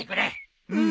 うん。